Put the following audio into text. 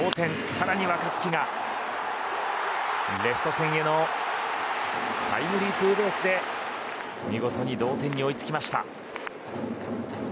更に若月がレフト線へのタイムリーツーベースで見事に同点に追いつきました。